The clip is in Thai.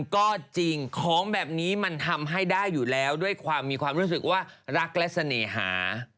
ก็จริงของแบบนี้มันทำให้ได้อยู่แล้วด้วยความมีความรู้สึกว่ารักและเสน่หา